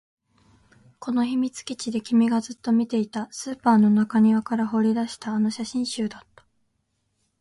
この秘密基地で君がずっと見ていた、スーパーの中庭から掘り出したあの写真集だった